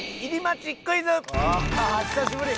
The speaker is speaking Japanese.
ああー久しぶり。